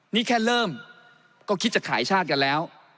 นี่แค่เริ่มก็คิดจะขายชาติกันแล้ว